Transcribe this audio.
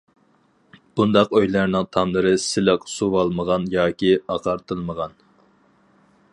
بۇنداق ئۆيلەرنىڭ تاملىرى سىلىق سۇۋالمىغان ياكى ئاقارتىلمىغان.